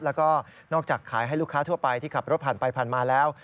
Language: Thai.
แล้วก็นอกจากขายให้ลูกค้าทั่วไปที่ขับรถผ่านไปผ่านมาแล้ว